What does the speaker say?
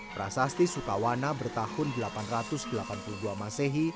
prasasti sukawana bertahun delapan ratus delapan puluh dua masehi